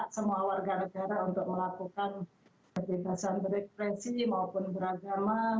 semua warga negara untuk melakukan